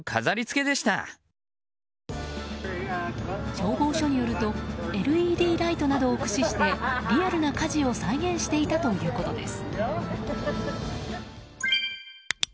消防署によるとＬＥＤライトなどを駆使してリアルな火事を再現していたということです。